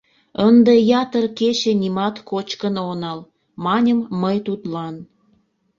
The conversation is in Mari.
Ынде ятыр кече нимат кочкын онал, — маньым мый тудлан.